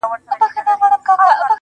مخ به در واړوم خو نه پوهېږم.